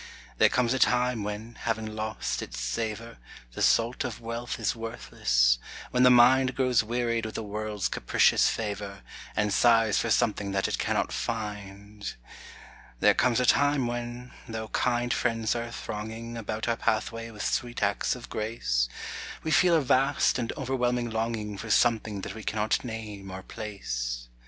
There comes a time, when, having lost its savor, The salt of wealth is worthless; when the mind Grows wearied with the world's capricious favor, And sighs for something that it cannot find. There comes a time, when, though kind friends are thronging About our pathway with sweet acts of grace, We feel a vast and overwhelming longing For something that we cannot name or place.